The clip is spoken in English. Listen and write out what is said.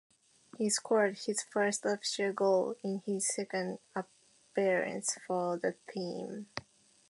He scored his first official goal in his second appearance for the team.